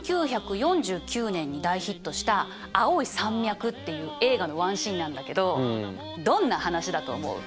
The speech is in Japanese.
１９４９年に大ヒットした「青い山脈」っていう映画のワンシーンなんだけどどんな話だと思う？